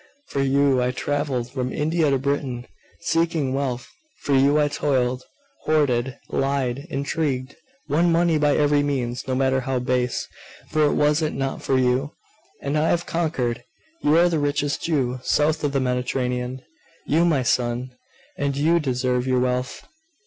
For you I travelled from India to Britain, seeking wealth. For you I toiled, hoarded, lied, intrigued, won money by every means, no matter how base for was it not for you? And I have conquered! You are the richest Jew south of the Mediterranean, you, my son! And you deserve your wealth.